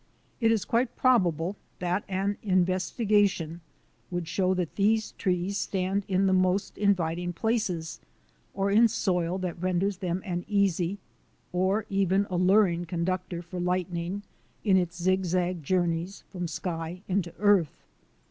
It is quite probable that an investigation would show that these trees stand in the most inviting places or in soil that renders them an easy or even alluring conduc tor for lightning in its zigzag journeys from sky into earth.